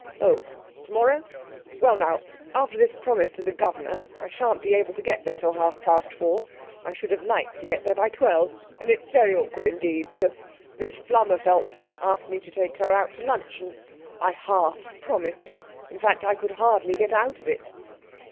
'Oh, tomorrow? Well, now, after this promise to the governor, I shan't be able to get there till half past four. I should have liked to get there by twelve. And it's very awkward indeed, because Miss Flummerfelt asked me to take her out to lunch, and I half promised. In fact, I could hardly get out of it.'